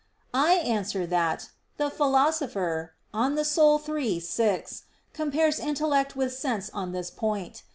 I answer that, The Philosopher (De Anima iii, 6) compares intellect with sense on this point.